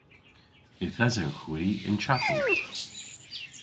Yth esewgh hwi y'n chapel.